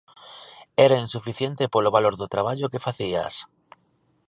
Era insuficiente polo valor do traballo que facías.